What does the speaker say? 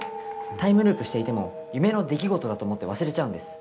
タイムループしていても夢の出来事だと思って忘れちゃうんです。